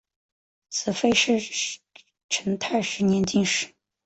子裴栻是成泰十年进士。